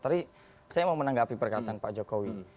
tapi saya mau menanggapi perkataan pak jokowi